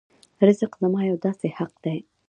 رزق زما یو داسې حق دی.